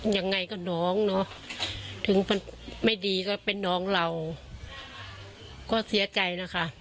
ยังไงก็น้องเนอะถึงมันไม่ดีก็เป็นน้องเราก็เสียใจนะคะ